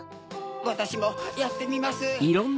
わたしもやってみます。